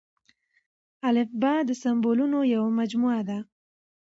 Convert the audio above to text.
الفبې د سمبولونو يوه مجموعه ده.